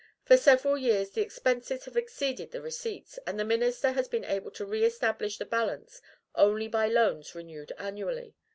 For several years the expenses have exceeded the receipts, and the Minister has been able to re establish the balance only by loans renewed annually.